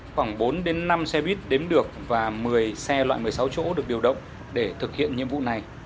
khoảng bốn năm xe buýt đếm được và một mươi xe loại một mươi sáu chỗ được điều động để thực hiện nhiệm vụ này